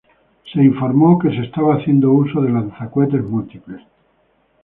Se reportó que se estaba haciendo uso de lanzacohetes múltiples.